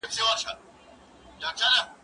زه پرون مېوې وچوم وم؟